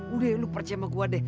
udah lu percaya sama gua deh